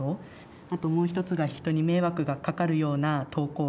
あともう一つが人に迷惑がかかるような投稿はしない。